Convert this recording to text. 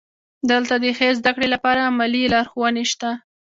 دلته د ښې زده کړې لپاره عملي لارښوونې شته.